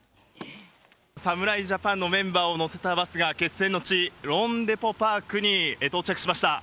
侍ジャパンのメンバーを乗せたバスが、決戦の地、ローンデポ・パークに到着しました。